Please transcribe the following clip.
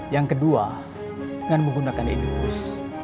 yang kedua dengan menggunakan infus